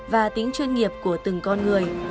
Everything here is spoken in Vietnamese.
và tính chuyên nghiệp của từng con người